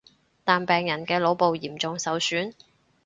但病人嘅腦部嚴重受損